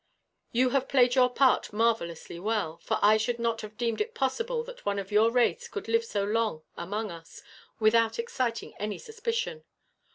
"You have played your part marvellously well, for I should not have deemed it possible that one of your race could live so long among us, without exciting any suspicion.